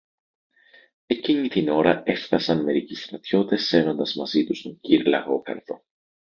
Εκείνη την ώρα έφθασαν μερικοί στρατιώτες σέρνοντας μαζί τους τον κυρ-Λαγόκαρδο.